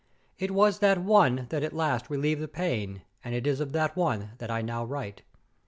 It was that one that at last relieved the pain, and it is of that one that I now write.